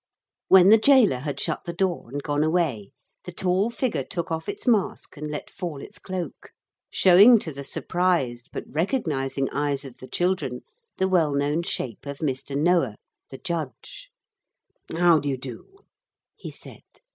When the gaoler had shut the door and gone away the tall figure took off its mask and let fall its cloak, showing to the surprised but recognising eyes of the children the well known shape of Mr. Noah the judge. 'How do you do?' he said.